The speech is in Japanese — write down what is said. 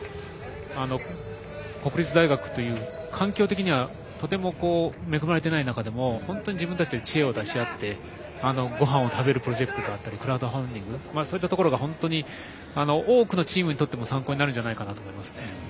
国立大学という環境的にはとても恵まれていない中でも自分たちで知恵を出し合ってごはんを食べるプロジェクトであったりクラウドファンディングといったところなど多くのチームも参考になると思います。